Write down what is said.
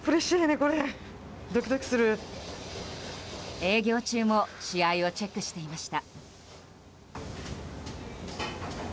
営業中も試合をチェックしていました。